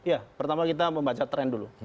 ya pertama kita membaca tren dulu